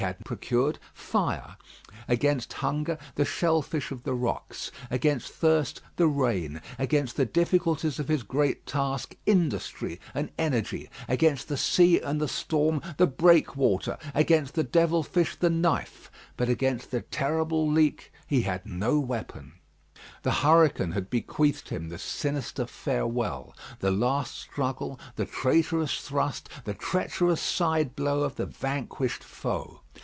Against the cold one could procure and he had procured fire; against hunger, the shell fish of the rocks; against thirst, the rain; against the difficulties of his great task, industry and energy; against the sea and the storm, the breakwater; against the devil fish, the knife; but against the terrible leak he had no weapon. The hurricane had bequeathed him this sinister farewell. The last struggle, the traitorous thrust, the treacherous side blow of the vanquished foe.